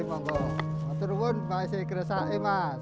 semangat kerja bejo sangat tinggi